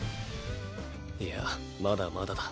いやまだまだだ。